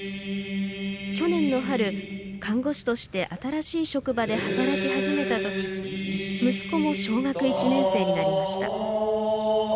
去年の春、看護師として新しい職場で働き始めた時息子も小学１年生になりました。